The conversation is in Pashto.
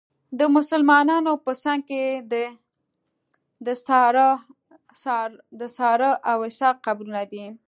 د مسلمانانو په څنګ کې د ساره او اسحاق قبرونه دي.